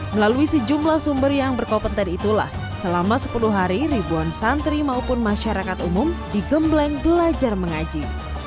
melalui sejumlah sumber yang berkompeten itulah selama sepuluh hari ribuan santri maupun masyarakat umum digembleng belajar mengaji